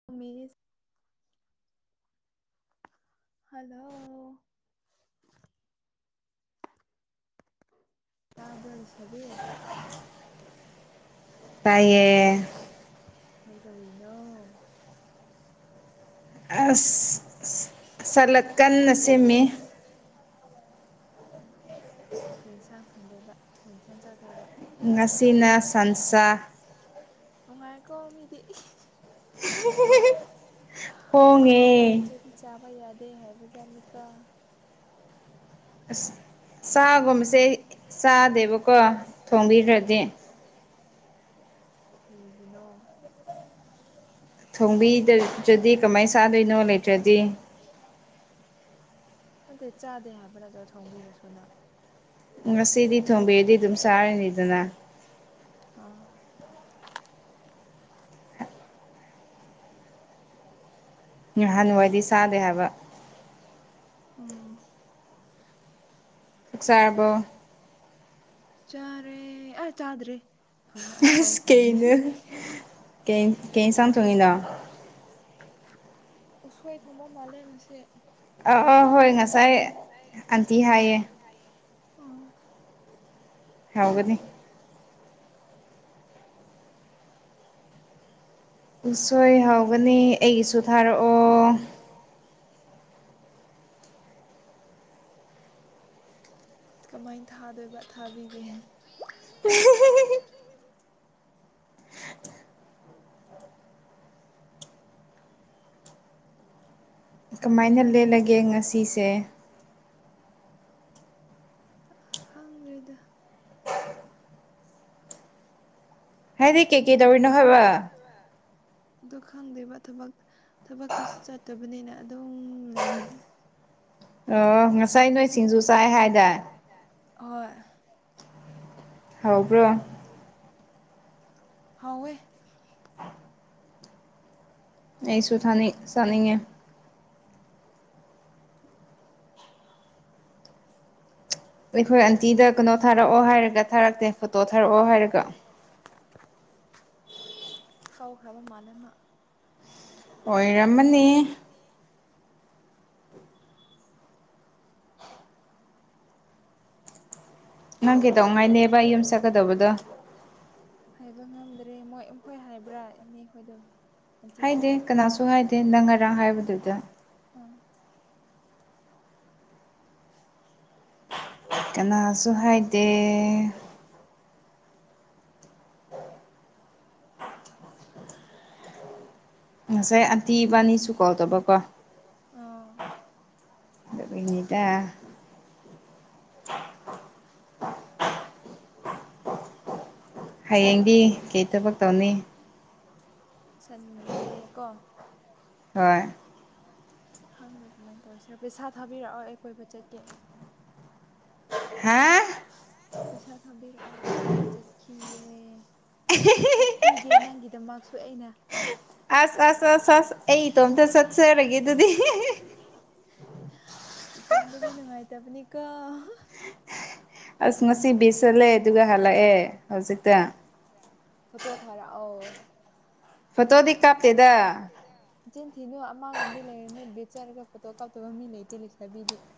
[unintelligible] Hello ꯇꯥꯕ꯭ꯔꯥ ꯂꯩꯁꯥꯕꯤ? ꯇꯥꯏꯌꯦ ꯀꯩꯗꯧꯔꯤꯅꯣ? ꯑꯁ ꯁ ꯁꯂꯛ ꯀꯟꯅ ꯁꯦꯝꯃꯤ ꯀ꯭ꯔꯤ ꯌꯦꯟꯁꯥꯡ ꯊꯣꯡꯗꯣꯏꯕ ꯀ꯭ꯔꯤ ꯌꯦꯟꯁꯥꯡ ꯆꯥꯗꯣꯏꯕ? ꯉꯁꯤꯅ ꯁꯟꯁꯥ ꯅꯨꯡꯉꯥꯏꯀꯣ ꯃꯤꯗꯤ [unintelligible] ꯑꯍꯥꯎꯕ ꯅꯠꯇ꯭ꯔꯗꯤ ꯆꯥꯕ ꯌꯥꯗꯦ ꯍꯥꯏꯕꯖꯥꯠꯅꯤꯀ‌ꯣ [unintelligible] ꯆꯥꯒꯨꯝꯕꯁꯦ ꯆꯥꯗꯦꯕꯀꯣ ꯊꯣꯡꯕꯤꯗ꯭ꯔꯗꯤ꯫ ꯀꯥꯔꯤꯒꯤꯅꯣ ꯊꯣꯡꯕꯤꯗꯗ꯭ꯔꯗꯤ ꯀꯃꯥꯏꯅ ꯆꯥꯗꯣꯏꯅꯣ ꯂꯩꯇ꯭ꯔꯗꯤ [unintelligible] ꯗꯤ ꯅꯠꯇꯦ ꯆꯥꯗꯦ ꯍꯥꯏꯕ ꯅꯠꯇ꯭ꯔ ꯊꯣꯡꯕꯤꯔꯁꯨꯅ ꯉꯁꯤꯗꯤ ꯊꯣꯡꯕꯤꯔꯗꯤ ꯑꯗꯨꯝ ꯆꯥꯔꯅꯤꯗꯅ ꯑꯥ ꯉꯍꯥꯟꯋꯥꯏꯗꯤ ꯆꯥꯗꯦ ꯍꯥꯏꯕ ꯎꯝ ꯥꯆꯥꯔꯕꯣ ꯆꯥꯔꯕ‌ꯣ ꯆꯥꯔꯦ ꯑ ꯆꯥꯗ꯭ꯔꯤ ꯐꯉ ꯑꯩ ꯀꯥꯎꯈ꯭ꯔꯃꯤ ꯀꯩ ꯀꯩ ꯏꯟꯁꯥꯡ [unintelligible] ꯎꯁ‌ꯣꯏ ꯊꯣꯡꯕ ꯃꯥꯜꯂ‌ꯦ ꯉꯁꯤ ꯑ ꯑꯥ ꯍꯣꯏ ꯉꯁꯥꯏ ꯑꯟꯇꯤ ꯍꯥꯏꯌꯦ ꯍꯥꯏꯌꯦ ꯑꯣ ꯍꯥꯎꯒꯅꯤ ꯍꯥꯎꯒꯅꯤ ꯎꯁꯣꯏ ꯍꯥꯎꯒꯅꯤ ꯑꯩꯒꯤꯁꯨ ꯊꯥꯔꯛꯑꯣ ꯀꯃꯥꯏꯟ ꯊꯥꯗꯣꯏꯕ ꯊꯥꯕꯤꯒꯦ [unintelligible] [unintelligible] ꯊꯥꯗꯤ ꯊꯥꯅꯤ ꯀꯃꯥꯏꯅ ꯂꯦꯜꯂꯒꯦ ꯉꯁꯤꯁꯦ ꯈꯪꯗ꯭ꯔꯤꯗ ꯍꯥꯏꯔꯤ ꯍꯥꯏꯗꯤ ꯀꯩꯀꯩ ꯇꯧꯔꯤꯅꯣ ꯍꯥꯏꯕ ꯗꯨ ꯈꯪꯗꯦꯕ ꯊꯕꯛ ꯊꯕꯛꯁꯨ ꯆꯠꯇꯕꯅꯤꯅ ꯑꯗꯨꯝ ꯂꯩꯌꯦ ꯑꯣ ꯉꯁꯥꯏ ꯅꯣꯏ ꯁꯤꯡꯖꯨ ꯆꯥꯏ ꯍꯥꯏꯗꯥ ꯀꯥꯏꯗ ꯍꯣꯏ ꯍꯥꯎꯕ꯭ꯔꯣ ꯕ꯭ꯔ‌ꯧ ꯍꯥꯎꯋꯦ ꯑꯩꯁꯨ ꯑꯩꯁꯨ ꯊꯥꯅꯤꯡ ꯆꯥꯅꯤꯡꯉ‌ꯦ ꯑꯩꯈꯣꯏ ꯑꯟꯇꯤꯗ ꯀꯩꯅꯣ ꯊꯥꯔꯛꯑꯣ ꯍꯥꯏꯔꯒ ꯊꯥꯔꯛꯇꯦ ꯐꯣꯇꯣ ꯊꯥꯔꯛꯑꯣ ꯍꯥꯏꯔꯒ [unintelligible] ꯀꯥꯎꯈ꯭ꯔꯕ ꯃꯥꯜꯂ‌ꯦ ꯃꯥ ꯑꯣꯏꯔꯝꯃꯅꯤ ꯅꯪ ꯀꯩꯗꯧꯉꯥꯏꯅꯦꯕ ꯌꯨꯝ ꯆꯠꯀꯗꯕꯗꯣ ꯀꯗꯕꯗ‌ꯣ ꯍꯥꯏꯕ ꯉꯝꯗ꯭ꯔꯦ ꯃꯣꯏ ꯈꯣꯏ ꯍꯥꯏꯕ꯭ꯔꯥ ꯏꯅꯦ ꯈꯣꯏꯗꯣ ꯍꯥꯏꯗꯦ ꯀꯅꯥꯁꯨ ꯍꯥꯏꯗꯦ ꯅꯪ ꯉꯔꯥꯡ ꯍꯥꯏꯕꯗꯨꯗ ꯑ [inaudible] ꯀꯅꯥꯁꯨ ꯍꯥꯏꯗꯦ ꯎꯝ [inaudible] ꯎ [unintelligible] ꯉꯁꯥꯏ ꯑꯟꯇꯤ ꯏꯕꯥꯅꯤꯁꯨ ꯀꯣꯜ ꯇꯧꯕꯀꯣ ꯑꯥ ꯑꯗꯨꯒꯤꯅꯤꯗ [inaudible] ꯍꯌꯦꯡꯗꯤ ꯀꯩ ꯊꯕꯛ ꯇꯧꯅꯤ ꯁꯟꯗꯦꯀꯣ ꯍꯣꯏ ꯈꯪꯗꯦ ꯀꯃꯥꯏꯅ ꯇꯧꯔꯁꯤꯔ ꯄꯩꯁꯥ ꯊꯥꯕꯤꯔꯛꯑꯣ ꯑꯩ ꯀꯣꯏꯕ ꯆꯠꯀꯦ ꯍꯥ ꯄꯩꯁꯥ ꯊꯥꯕꯤꯔꯛꯑꯣ ꯑꯩ ꯀꯣꯏꯕ ꯆꯠꯈꯤꯒꯦ ꯆꯠꯄꯤꯒꯦ ꯅꯪꯒꯤꯗꯃꯛꯁꯨ ꯑꯩꯅ ꯑꯁ ꯑꯁ ꯑꯁ ꯑꯁ ꯑꯩ ꯏꯇꯣꯝꯇ ꯆꯠꯆꯔꯒꯦ ꯑꯗꯨꯗꯤ ꯇꯣꯝꯗꯗꯤ ꯅꯨꯡꯉꯥꯏ ꯇꯥꯕꯅꯤꯀꯣ ꯑꯁ ꯉꯁꯤ ꯕꯤꯁ ꯁꯜꯂꯦ ꯑꯗꯨꯒ ꯍꯜꯂꯛꯑꯦ ꯍꯧꯖꯤꯛꯇ ꯑ ꯐꯣꯠꯇꯣ ꯊꯥꯔꯛꯑꯣ ꯐꯠꯇꯣꯗꯤ [unintelligible] ꯆꯤꯟ ꯊꯤꯅꯨ ꯑꯃꯒꯨꯝꯕꯗꯤ ꯂꯩꯔꯅꯤ ꯕꯦꯠ ꯆꯔꯒ ꯐꯣꯇꯣ ꯀꯥꯞꯇꯕ ꯃꯤ ꯂꯩꯇꯦ ꯂꯩꯁꯥꯕꯤꯗꯤ [inaudible]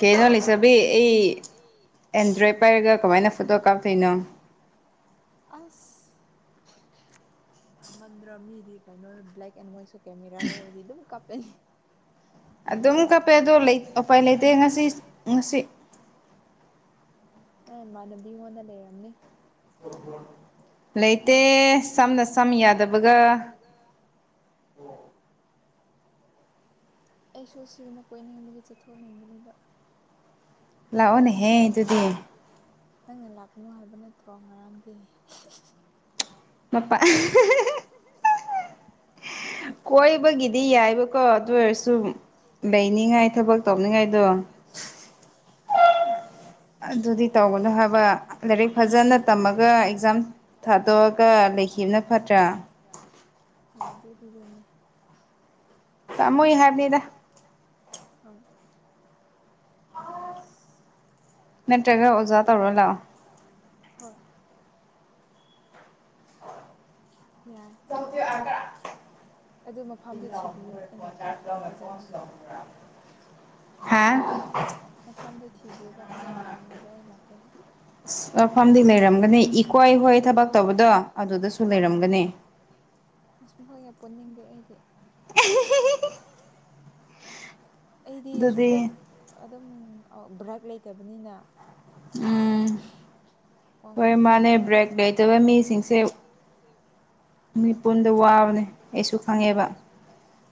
ꯀꯩꯅꯣ ꯂꯩꯆꯕꯤ ꯑꯩ ꯑꯦꯟꯗ꯭ꯔꯣꯏꯗ ꯄꯥꯏꯔꯒ ꯀꯃꯥꯏꯅ ꯐꯣꯇꯣ ꯀꯥꯞꯇꯣꯏꯅꯣ ꯑꯁ ꯊꯝꯃꯟꯗ꯭ꯔ ꯃꯤꯗꯤ ꯀꯩꯅꯣ ꯕ꯭ꯂꯦꯛ ꯑꯦꯟ ꯋꯥ꯭ꯋꯥꯏꯠꯁꯨ ꯀꯦꯃꯦꯔꯥ ꯂꯩꯔꯗꯤ ꯑꯗꯨꯝ ꯀꯥꯄꯅꯤ ꯑꯗꯨꯝ ꯀꯞꯄꯦ ꯑꯗꯣ ꯎꯄꯥꯏ ꯂꯩꯇꯦ ꯉꯁꯤ ꯉꯁꯤ ꯁꯤ ꯑ ꯏꯃꯥꯅꯕꯤꯉꯣꯟꯗ ꯂꯩꯔꯝꯅꯤ ꯂꯩꯇꯦ ꯁꯝꯅ ꯁꯝ ꯌꯥꯗꯕꯒ ꯑꯗꯨꯒ ꯑꯩꯁꯨ ꯁꯤꯒꯨꯝꯕ ꯀꯣꯏꯅꯤꯡꯕꯒꯤ ꯆꯠꯊꯣꯛꯍꯟꯅꯤꯡꯕꯅꯦꯕ ꯂꯑꯣꯅꯦ ꯂꯥꯛꯑꯣꯅꯦꯍꯦ ꯅꯪꯅ ꯂꯥꯛꯀꯅꯣ ꯍꯥꯏꯕ ꯅꯠꯇ꯭ꯔꯣ ꯉꯔꯥꯡꯗꯤ ꯃꯄꯥ ꯀꯣꯏꯕꯒꯤ ꯗꯤ ꯌꯥꯏꯕꯀꯣ ꯑꯗꯨ ꯑꯣꯏꯔꯁꯨ ꯂꯩꯅꯤꯡꯉꯥꯏ ꯊꯕꯛ ꯇꯧꯅꯤꯡꯉꯥꯏꯗꯣ ꯑꯩ ꯗꯣ ꯑꯗꯨꯗꯤ ꯇꯧꯒꯅ ꯍꯥꯏꯕ ꯂꯥꯏꯔꯤꯛ ꯐꯖꯅ ꯇꯝꯃꯒ ꯑꯦꯛꯖꯥꯝ ꯊꯥꯗꯣꯛꯑꯒ ꯍꯣꯏ ꯑꯗꯨꯗꯤ ꯑꯗꯨꯅꯦ ꯇꯃꯣꯏꯅ ꯃꯣꯏ ꯍꯥꯏꯗ ꯍ [unintelligible] ꯅꯠꯇ꯭ꯔꯒ ꯑꯣꯖꯥ ꯇꯧꯔ ꯂꯥꯛꯑꯣ [unintelligible] ꯍꯣꯏ [unintelligible] ꯍꯥ ꯃꯐꯝꯗꯣ ꯊꯤꯕꯤꯌꯨꯕ ꯑꯣꯖꯥ ꯇꯧꯅꯤꯡꯉꯥꯏꯗꯣ ꯑꯩ ꯂꯥꯛꯀꯦꯕ ꯑ ꯃꯐꯝꯗꯤ ꯂꯩꯔꯝꯒꯅꯤ ꯏꯀꯣꯏ ꯍꯣꯏ ꯊꯕꯛ ꯇꯧꯕꯗꯣ ꯑꯗꯨꯗꯁꯨ ꯂꯩꯔꯝꯒꯅꯤ [unintelligible] ꯑꯁ ꯃꯈꯣꯏꯒ ꯄꯨꯟꯅꯤꯡꯗꯦ ꯑꯩꯗꯤ ꯑꯦꯍꯦ ꯍꯤ ꯍꯤ ꯑꯩꯗꯤ ꯏꯁꯇ꯭ꯔꯦꯠ ꯑꯗꯨꯝ ꯕ꯭ꯔꯥꯏꯗ ꯂꯩꯇꯕꯅꯤꯅ ꯎꯝ ꯍꯣꯏ ꯃꯥꯅꯦ ꯕ꯭ꯔꯦꯛ ꯂꯩꯇꯕ ꯃꯤꯁꯤꯡꯁꯦ ꯃꯤꯠ ꯄꯨꯨꯟꯗ ꯋꯥꯕꯅꯦ ꯑꯩꯁꯨ ꯈꯪꯉꯦꯕ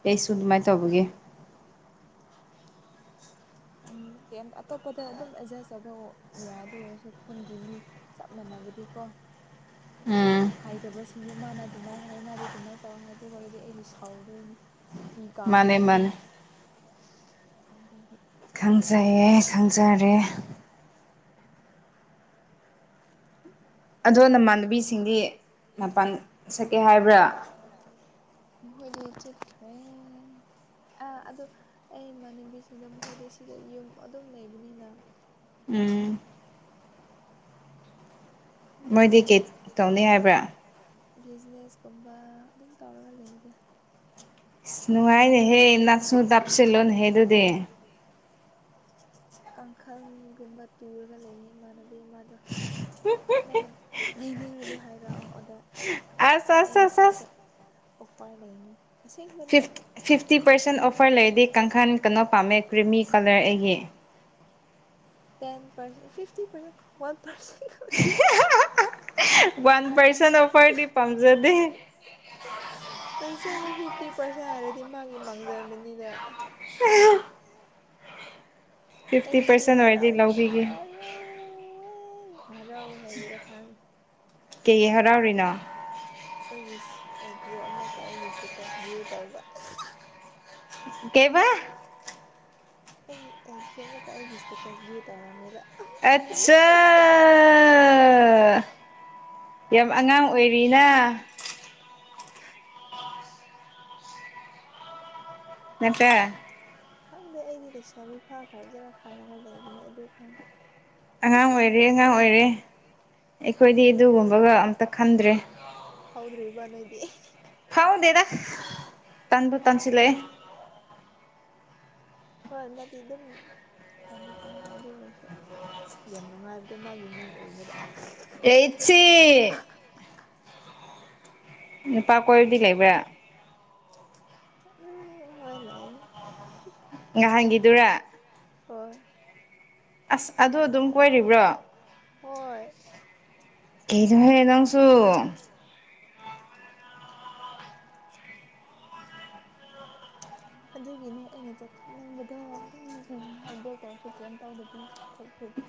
ꯑꯩꯁꯨ ꯑꯗꯨꯃꯥꯏꯅ ꯇꯧꯕꯒꯤ ꯇꯒꯤ ꯎꯝ ꯀꯩ ꯑꯇꯣꯞꯄꯗ ꯑꯗꯨꯝ ꯑꯦꯖꯦꯁ ꯇꯧꯕ ꯌꯥꯏ ꯑꯗꯨ ꯑꯣꯏꯔꯁꯨ ꯈꯨꯟꯒꯤ ꯃꯤ ꯆꯞ ꯃꯥꯟꯅꯕꯗꯤꯀꯣ ꯍꯥꯏꯩꯇꯕꯁꯤꯡꯗꯣ ꯃꯥꯅ ꯑꯗꯨꯃꯥꯏꯅ ꯍꯥꯏ ꯃꯥꯗꯤ ꯑꯗꯨꯃꯥꯏꯅ ꯇꯧꯋ ꯍꯥꯏꯗ ꯑꯣꯏꯔꯗꯤ ꯑꯩꯗꯤ ꯁꯥꯎꯗꯣꯏꯅꯤ ꯏ ꯀꯥꯗꯣꯏꯅꯤ ꯑꯩꯗꯤ ꯑꯗꯨꯒꯤ ꯈꯪꯖꯩꯌꯦ ꯈꯪꯖꯔꯦ ꯑꯗꯣ ꯅꯃꯥꯟꯅꯕꯤꯁꯤꯡꯗꯤ ꯃꯄꯥꯟ ꯁꯛꯀꯦ ꯍꯥꯏꯕ꯭ꯔꯥ ꯍꯥꯏꯕ꯭ꯔꯥ ꯃꯈꯣꯏꯗꯤ ꯆꯠꯈ꯭ꯔꯦ ꯑꯥ ꯑꯗꯨꯗꯣ ꯑꯩꯃꯥꯟꯅꯕꯤꯁꯤꯡꯗ ꯃꯈꯣꯏꯗꯤ ꯁꯤꯗ ꯌꯨꯝ ꯑꯗꯨꯝ ꯂꯩꯕꯅꯤꯅ ꯎꯝ ꯃꯣꯏꯗꯤ ꯍꯥꯏꯕ꯭ꯔ ꯕꯤꯖꯤꯅꯦꯁ ꯀꯨꯝꯕ ꯑꯗꯨꯝ ꯇꯧꯔꯒ ꯂꯩꯗ ꯏꯁ ꯅꯨꯡꯉꯥꯏꯅꯦꯦꯍꯦ ꯏ ꯅꯅꯥꯁꯨ ꯇꯥꯞꯁꯤꯜꯂꯣꯅꯦꯍꯦ ꯑꯗꯨꯗꯤ ꯀꯥꯡꯈꯜꯒꯨꯝꯕ ꯇꯨꯔꯒ ꯂꯩꯌꯦ ꯏꯃꯥꯟꯅꯕꯤ ꯑꯃꯗꯣ ꯂꯩ ꯂꯩꯅꯦꯈꯗꯤ ꯍꯥꯏꯔꯛꯑꯣ ꯑꯣꯗꯔ [unintelligible] ꯑꯩꯒꯤ ꯁ꯭ꯋꯥꯏꯗ ꯑꯣꯐꯥꯔ ꯂꯩꯅꯤ ꯑꯁꯦꯡꯕꯅꯤ ꯐꯤꯐꯇꯤ ꯄꯥꯔꯁꯦꯟ ꯑꯣꯐꯔ ꯂꯩꯔꯗꯤ ꯀꯪꯁꯥꯅꯤ ꯀꯩꯅꯣ ꯄꯥꯝꯃꯦ ꯀ꯭ꯔꯤꯃꯤ ꯀꯂꯔ ꯑꯩ ten percent fifty percent one percent one percent ꯑꯣꯐꯔꯗꯤ ꯄꯥꯝꯖꯗꯦ ꯑꯁꯦꯡꯕ ꯐꯤꯐꯇꯤ ꯄꯥꯔꯁꯦꯟ ꯍꯥꯏꯔꯗꯤ ꯃꯥꯒꯤ ꯃꯥꯡꯖꯕꯅꯤꯅ ꯑꯦ ꯉꯁꯤ ꯍꯥꯏꯔ ꯔꯥꯎꯃ ꯍꯥꯏ ꯃꯍꯔꯥꯎ ꯍꯥꯏꯒꯦꯔꯀꯥꯟꯗꯦ ꯑꯩꯒꯤꯖ ꯑꯃꯨꯛꯀ ꯑꯩꯒꯤ ꯏꯁꯇꯦ ꯚꯌꯨ ꯇꯧꯕ ꯀꯩꯕꯥ ꯑꯩꯒꯤ ꯑꯦꯛꯇꯣ ꯃꯨꯛꯀ ꯑꯩꯒꯤ ꯏꯁꯇꯦꯇꯁ ꯚ꯭ꯌꯨ ꯇꯧꯔꯝꯃꯦꯕ ꯑꯠꯆꯥ ꯌꯥꯝ ꯑꯉꯥꯡ ꯑꯣꯏꯔꯤꯅ ꯃꯠꯇ ꯈꯪꯗꯦ ꯑꯩꯗꯤ ꯂꯩꯁꯥꯕꯤ ꯐꯥ ꯈꯔ ꯖꯔ ꯈꯥꯜꯂꯒ ꯂꯩꯕꯅꯤ ꯑꯗꯨ ꯈꯪ ꯑꯉꯥꯡ ꯑꯣꯏꯔꯦ ꯑꯉꯥꯡ ꯑꯣꯏꯔꯦ ꯑꯩꯈꯣꯏꯗꯤ ꯑꯗꯨꯒꯨꯝꯕꯒ ꯑꯝꯇ ꯈꯟꯗ꯭ꯔꯦ ꯊꯧꯗ꯭ꯔꯤꯕ ꯅꯣꯢꯗꯤ ꯐꯥꯎꯗꯦꯗꯥꯛ ꯇꯥꯟꯕꯨ ꯇꯥꯟꯁꯤꯂꯦ ꯍ꯭ꯂ ꯍꯣꯏꯅꯗꯤ ꯑꯗꯨꯝ ꯇꯟꯗꯤ ꯇꯅ ꯑꯗꯨ ꯑꯣꯏꯔꯁꯨ ꯌꯥꯝ ꯅꯨꯡꯉꯥꯏꯕꯗꯣ ꯃꯥꯒꯤ ꯃꯤꯡ ꯎꯕꯗ ꯔꯩꯆꯤ ꯅꯨꯄꯥ ꯀꯣꯏ [unintelligible] ꯉꯥꯒꯤꯗꯨ ꯍꯣꯏ ꯑꯁ ꯑꯗꯨ ꯑꯗꯨꯝ ꯀꯣꯏꯔꯤꯕ꯭ꯔꯣ ꯍꯣꯏ ꯀꯩꯗꯣꯍꯦ ꯅꯪꯁꯨ ꯎꯝ ꯑꯗꯨꯒꯤꯅꯦ ꯑꯩꯅ ꯆꯠꯊꯣꯛꯅꯤꯡꯕꯗꯣ ꯑꯗꯨꯝ ꯎ ꯍꯥꯔꯠ ꯕ꯭ꯔꯦꯛ ꯇꯧꯔꯁꯨ ꯀꯩꯝ ꯇꯧꯗꯕꯤ ꯊꯣꯛꯈ꯭ꯔꯗꯤ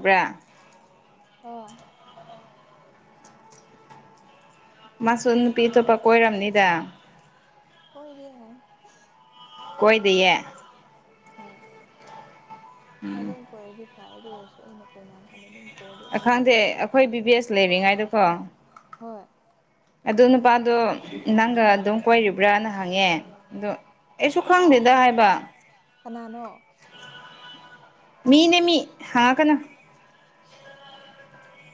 ꯃꯥꯏ ꯌꯥꯗꯕ꯭ꯔꯥ ꯍꯣꯏ ꯃꯥꯁꯨ ꯅꯨꯄꯤ ꯑꯇꯣꯞꯄ ꯀꯣꯏꯔꯝꯅꯤꯗ ꯀꯣꯏꯗꯦ ꯍꯥꯏ ꯀꯣꯏꯗꯤꯌꯦ ꯍꯣꯏ ꯑꯗꯨꯝ ꯑꯣꯏꯔꯗꯤ ꯐꯩ ꯑꯗꯨ ꯑꯣꯏꯔꯁꯨ ꯑꯩꯅ ꯀꯣꯏꯅꯥꯝ [unintelligible] ꯑꯗꯨꯝ ꯀꯣꯏꯔꯗꯤ ꯑꯩꯗꯤ ꯌꯥꯗꯦ ꯍꯥꯏꯗꯤ ꯍꯣꯏ ꯑꯗꯨ ꯅꯨꯄꯥꯗꯣ ꯅꯪꯒ ꯑꯗꯨꯝ ꯀꯣꯏꯔꯤꯕ꯭ꯔꯥꯅ ꯍꯪꯉꯦ ꯑꯗꯨ ꯑꯩꯁꯨ ꯈꯪꯗꯦꯗ ꯍꯥꯏꯕ ꯀꯅꯥꯅꯣ ꯃꯤꯅꯦꯃꯤ ꯍꯉꯛꯀꯅꯣ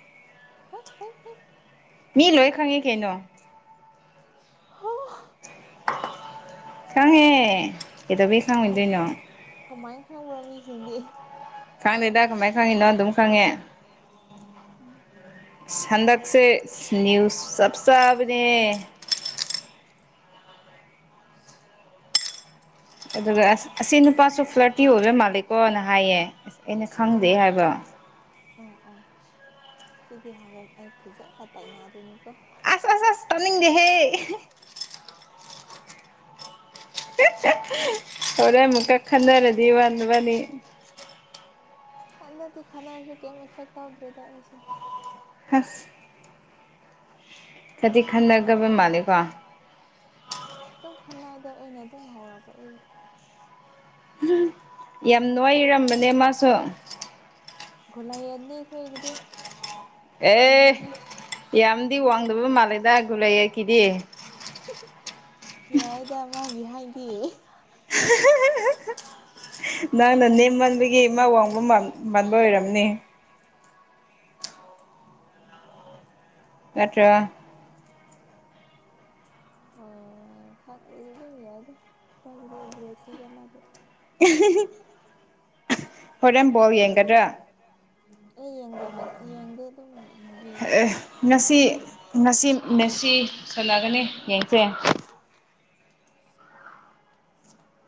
[unintelligible] ꯃꯤ ꯂꯣꯏ ꯈꯪꯉꯤ ꯀꯩꯅꯣ ꯍꯣ ꯈꯪꯉꯦ ꯀꯩꯗꯧꯕꯩ ꯈꯪꯉꯣꯏꯗꯣꯏꯅꯣ ꯀꯃꯥꯏꯅ ꯈꯪꯕ꯭ꯔꯣ ꯃꯤꯁꯤꯡꯗꯤ ꯈꯪꯗꯦꯗ ꯀꯃꯥꯏꯅ ꯈꯪꯉꯤꯅꯣ ꯑꯗꯨꯝ ꯈꯪꯉꯦ ꯎꯝ ꯍꯟꯗꯛꯁꯦ ꯅ꯭ꯌꯨꯁ ꯆꯞ ꯆꯥꯕꯅꯦ ꯑꯗꯨꯒ ꯑꯁ ꯑꯁꯤ ꯅꯨꯄꯥꯁꯨ ꯐ꯭ꯂꯔꯇꯤ ꯑꯣꯏꯕ ꯃꯥꯜꯂꯦꯀꯣꯅ ꯍꯥꯏꯌꯦ ꯑꯁ ꯑꯩꯅ ꯈꯪꯗꯦ ꯍꯥꯏꯕ ꯍꯥꯏꯕ ꯑꯣ ꯑꯣ ꯁꯤꯗꯤ ꯍꯧꯔꯦꯟ ꯑꯩ ꯐꯖꯅ ꯇꯥꯏꯅꯗꯣꯏꯅꯤꯀꯣ ꯑꯁ ꯑꯁ ꯑꯁ ꯇꯥꯅꯤꯡꯗꯦꯍꯦ ꯍꯣꯔꯦꯟ ꯑꯃꯨꯛꯀ ꯈꯟꯅꯔꯗꯤ ꯅꯕꯥꯟꯅꯤ ꯍꯟꯗꯛꯇꯤ ꯈꯅꯔꯁꯨ ꯀꯩꯝ ꯏꯐꯦꯛ ꯇꯧꯗ꯭ꯔꯦꯗ ꯑꯩꯁꯦ ꯍꯁ ꯈꯗꯤ ꯈꯟꯅꯒꯕ ꯃꯥꯜꯂꯦꯀꯣ ꯃꯥꯜꯂꯦꯀꯣ ꯑꯗꯨꯝ ꯈꯅꯩꯗ ꯑꯩꯅ ꯑꯗꯨꯝ ꯍꯧꯔꯛꯄ ꯏ ꯌꯥꯝ ꯅꯣꯏꯔꯝꯕꯅꯦ ꯃꯥꯁꯨ ꯑꯁꯣ ꯒꯣꯂꯥꯏꯑꯅꯤ ꯈꯣꯏꯒꯤꯗꯤ ꯀꯩꯒꯤꯅꯣ ꯍꯦ ꯌꯥꯝꯗꯤ ꯋꯥꯡꯗꯕ ꯃꯥꯂꯤꯗ [unintelligible] ꯌꯥꯏꯗ ꯃꯥꯒꯤ ꯍꯥꯏꯠꯗꯤ ꯅꯪꯅ ꯅꯦꯝꯃꯟꯕꯒꯤ ꯃꯥ ꯋꯥꯡꯕ ꯃꯥꯟꯕ ꯑꯣꯏꯔꯝꯅꯤ ꯅꯠꯇ꯭ꯔ [unintelligible] ꯑꯣ ꯈꯪꯗꯦꯗ ꯑꯗꯨꯝ ꯌꯥꯏꯗ ꯅꯨꯄꯥꯒꯤꯗꯤ ꯑꯦꯚꯔꯦꯖ ꯅꯤꯗ ꯃꯥꯗꯤ [unintelligible] ꯍꯣꯔꯦꯟ ꯕꯣꯜ ꯌꯦꯡꯒꯗ꯭ꯔꯥ ꯑꯩ ꯌꯦꯡꯗꯕ ꯌꯦꯡꯗꯦ ꯑꯗꯨꯝ ꯃꯨꯕꯤ [unintelligible] ꯁꯤ ꯁꯥꯟꯅꯒꯅꯤ ꯌꯦꯡꯁꯦ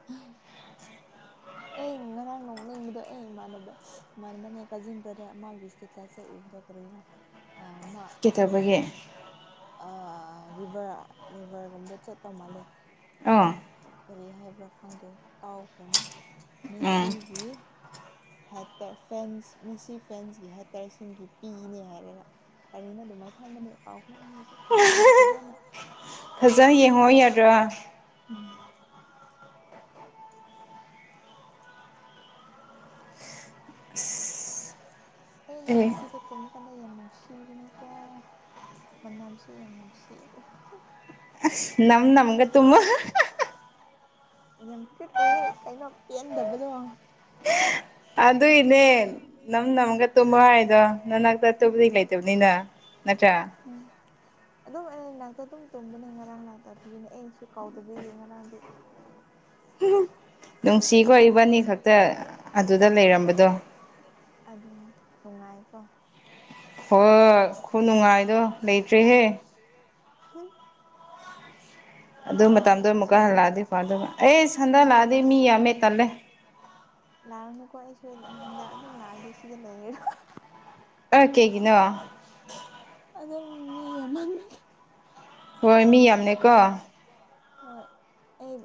ꯍꯝ ꯑꯩ ꯉꯔꯥꯡ ꯅꯣꯛꯅꯤꯡꯕꯗꯣ ꯑꯩ ꯏꯃꯥꯟꯅꯕ ꯏꯃꯥꯟꯅꯕꯅꯦ ꯀꯖꯤꯟ ꯕ꯭ꯔꯗꯔ ꯑꯃꯥꯒꯤ ꯏꯁꯇꯦꯇꯁꯇ ꯎꯕꯗꯣ ꯀꯔꯤꯔꯥ ꯑ ꯃꯥ ꯀꯦꯊꯕꯒꯤ ꯑ ꯔꯤꯚꯔ ꯔꯤꯚꯔꯒꯨꯝꯕ ꯆꯠꯄ ꯃꯥꯜꯂꯦ ꯁꯤ ꯀꯔꯤ ꯍꯥꯏꯕ꯭ꯔꯥ ꯈꯪꯗꯦ ꯀꯥꯎꯈ꯭ꯔꯦꯃꯨꯛ ꯃꯦꯁꯤꯒꯤ ꯍꯦꯇ ꯐꯦꯟꯁ ꯃꯦꯁꯤ ꯐꯦꯟꯁꯒꯤ ꯍꯦꯇꯔꯁꯤꯡꯒꯤ ꯄꯤꯅꯦ ꯍꯥꯏꯔꯒ ꯀꯔꯤꯅ ꯑꯗꯨꯃꯥꯏꯅ ꯊꯝꯕꯅꯦ ꯀꯥꯎꯈ꯭ꯔꯦ ꯑꯩ ꯍꯧꯖꯤꯛ ꯀꯦꯞꯁꯟꯗꯣ ꯐꯖꯅ ꯐꯖꯅ ꯌꯦꯡꯉꯣ ꯌꯥꯗ꯭ꯔꯥ ꯑꯁ ꯑꯩ ꯏꯅꯥꯎ ꯅꯨꯄꯤꯗꯣ ꯇꯨꯝ ꯃꯄꯅ ꯌꯥꯝ ꯅꯨꯡꯁꯤꯕꯅꯤꯀꯣ ꯃꯅꯝꯁꯨ ꯌꯥꯝ ꯅꯨꯡꯁꯤꯕ꯫ ꯅꯒ ꯊꯨꯃ ꯌꯥꯝ ꯀꯨꯏꯠ ꯎꯏꯌꯦꯦ ꯀꯩꯅꯣ ꯄꯦꯟꯗꯕꯅꯣ ꯑꯗꯨꯏꯅꯦ ꯅꯝ ꯅꯝꯒ ꯇꯨꯝꯃ ꯍꯥꯏꯗꯣ ꯅꯅꯥꯛꯇ ꯇꯨꯝꯕꯗꯤ ꯂꯩꯇꯕꯅꯤꯅ ꯑꯆꯥ [unintelligible] ꯑꯗꯨꯝ ꯑꯩ ꯅꯥꯛꯇ ꯑꯗꯨꯝ ꯇꯨꯝꯕꯅꯦ ꯉꯔꯥꯡ ꯂꯥꯛꯇꯕꯒꯤꯅꯦ ꯑꯩꯁꯨ ꯀꯥꯎꯗꯕꯤꯒꯤ ꯉꯔꯥꯡꯗꯤ꯫ ꯅꯨꯡꯁꯤꯈꯣ ꯏꯕꯥꯅꯤ ꯈꯛꯇ ꯑꯗꯨꯗ ꯂꯩꯔꯝꯕꯗꯣ ꯀꯝꯕꯗꯣ ꯑꯗꯨꯅꯤ ꯅꯨꯡꯉꯥꯏꯀꯣ ꯍꯣꯏ ꯈꯨ ꯅꯨꯡꯉꯥꯏꯗꯣ ꯂꯩꯇ꯭ꯔꯦꯍꯦ [inaudible] ꯃ ꯀꯁꯤ ꯀ ꯃ ꯂꯦ ꯃꯤ ꯌꯥꯃꯤ ꯇꯂ ꯂꯥꯛꯔꯅꯨꯀꯣ ꯑꯩꯁꯨ ꯍꯟꯗꯛ ꯑꯗꯨꯝ ꯂꯥꯛꯔꯗꯤ ꯁꯤꯗ ꯂꯩꯔꯔ ꯑ ꯀꯦ ꯀꯅꯣ ꯑꯗꯨꯝ ꯃꯤ ꯑꯃ ꯍꯣꯏ ꯃꯤ ꯌꯥꯝꯅꯦꯀꯣ ꯍꯣꯏ ꯑꯩ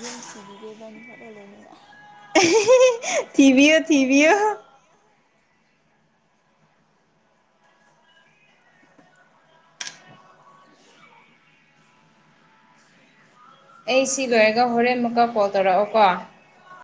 ꯌꯨꯝ ꯊꯤꯕꯤꯒꯦꯕꯥꯅꯤ ꯈꯛꯂ ꯂꯩꯅꯤꯡꯉꯥꯏ ꯊꯤꯕꯤꯤꯌ ꯊꯤꯕꯤꯤꯌꯣ ꯑꯩ ꯁꯤ ꯂꯣꯏꯔꯒ ꯍꯣꯔꯦꯟ ꯑꯃꯨꯛꯀ ꯀꯣꯜ ꯇꯧꯔꯛꯑꯣꯀꯣ ꯋꯥ